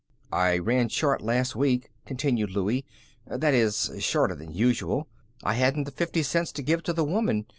"I ran short last week," continued Louie. "That is, shorter than usual. I hadn't the fifty cents to give to the woman.